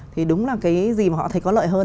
thì đúng là cái gì mà họ thấy có lợi hơn